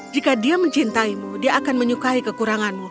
jika dia mencintaimu dia akan menyukai kekuranganmu